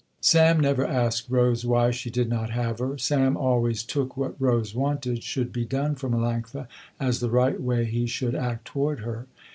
Sam never asked Rose why she did not have her. Sam always took what Rose wanted should be done for Melanctha, as the right way he should act toward her.